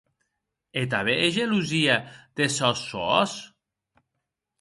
E tanben è gelosia des sòns sòs?